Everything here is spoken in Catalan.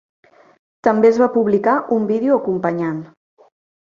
També es va publicar un vídeo acompanyant.